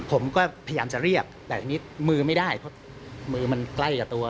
ผมก็พยายามจะเรียกแต่อันนี้มือไม่ได้เพราะมือมันใกล้กับตัว